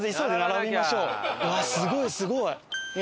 わあすごいすごい。